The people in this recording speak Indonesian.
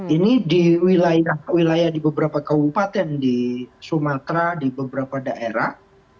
ini di wilayah wilayah di beberapa kabupaten di sumatera di beberapa daerah